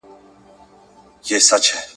ولي د کارګرانو اعتصاب یو مدني حق دی؟